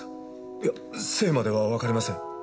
いや姓まではわかりません。